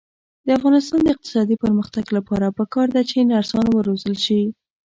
د افغانستان د اقتصادي پرمختګ لپاره پکار ده چې نرسان وروزل شي.